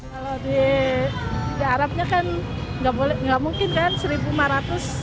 kalau di arabnya kan nggak mungkin kan seribu lima ratus